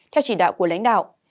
theo chỉ đạo của lãnh đạo